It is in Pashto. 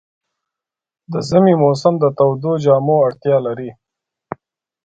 د ژمي موسم د تودو جامو اړتیا لري.